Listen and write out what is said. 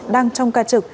đang trong ca trực